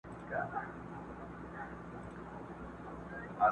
څوک یې درې څوک یې څلور ځله لوستلي؛